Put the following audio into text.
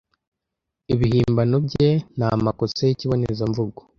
Ibihimbano bye nta makosa yikibonezamvugo